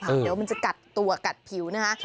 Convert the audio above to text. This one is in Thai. เดี๋ยวมันจะกัดตัวกัดผิวนะคะ